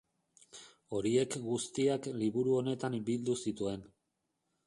Horiek guztiak liburu honetan bildu zituen.